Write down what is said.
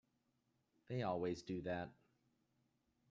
They always do that.